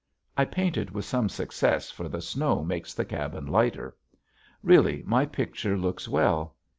I painted with some success for the snow makes the cabin lighter. Really my picture looks well.